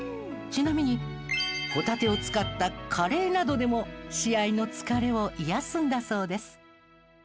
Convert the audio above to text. ちなみにホタテを使ったカレーなどでも試合の疲れを癒やすんだそうです。